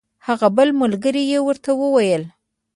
هغه بل ملګري یې ورته وویل.